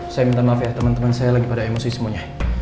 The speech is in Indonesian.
saya minta maaf ya teman teman saya lagi pada emosi semuanya